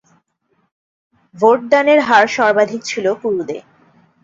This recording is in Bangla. ভোটদানের হার সর্বাধিক ছিল কুরুদে।